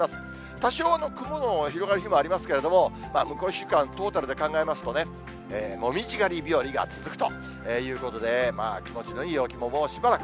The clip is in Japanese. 多少、雲の広がる日もありますけれども、向こう１週間、トータルで考えますとね、紅葉狩り日和が続くということで、気持ちのいい陽気ももうしばらく。